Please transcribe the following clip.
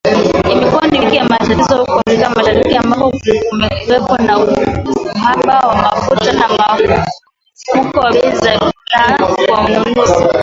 Imekuwa ni wiki ya matatizo huko Afrika Mashariki, ambako kumekuwepo na uhaba wa mafuta na mfumuko wa bei za bidhaa kwa wanunuzi